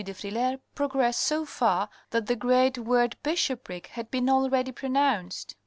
de Frilair progress so far that the great word bishopric had been already pronounced.